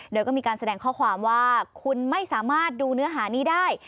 โดยก็มีการแสดงข้อความว่าคุณไม่สามารถดูเนื้อหานี้ได้